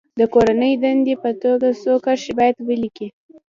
د کورنۍ دندې په توګه څو کرښې باید ولیکي.